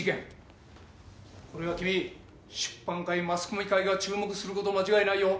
これは君出版界マスコミ界が注目すること間違いないよ。